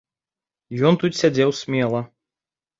Ён тут сядзеў смела.